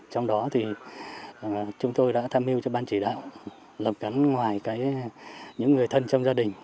trong đó thì chúng tôi đã tham hiu cho ban chỉ đạo lập cắn ngoài những người thân trong gia đình